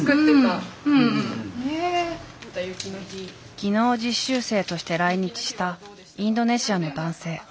技能実習生として来日したインドネシアの男性。